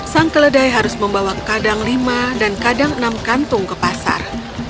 sang keledai harus membawa kadang lima dan kadang enam kantung ke pasar